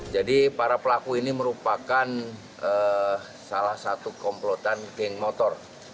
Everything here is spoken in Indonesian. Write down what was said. jadi para pelaku ini merupakan salah satu komplotan geng motor